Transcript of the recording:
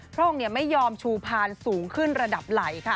พระองค์ไม่ยอมชูพานสูงขึ้นระดับไหลค่ะ